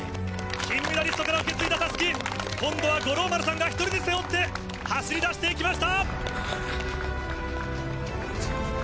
金メダリストから受け継いだたすき、今度は五郎丸さんが１人で背負って、走りだしていきました。